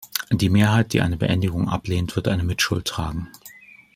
Die Mehrheit, die eine Beendigung ablehnt, wird eine Mitschuld tragen.